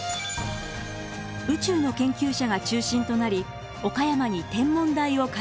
宇宙の研究者が中心となり岡山に天文台を開設。